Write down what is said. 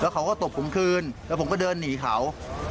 เขาก็ตบผมคืนแล้วผมก็เดินหนีเขา